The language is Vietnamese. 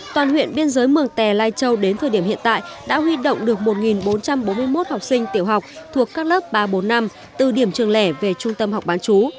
toàn huyện biên giới mường tè lai châu đến thời điểm hiện tại đã huy động được một bốn trăm bốn mươi một học sinh tiểu học thuộc các lớp ba bốn năm từ điểm trường lẻ về trung tâm học bán chú